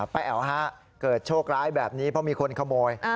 แอ๋วฮะเกิดโชคร้ายแบบนี้เพราะมีคนขโมย